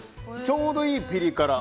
ちょうどいいピリ辛。